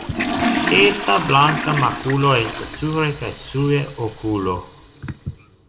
Eta blanka makulo estas supre kaj sube okulo.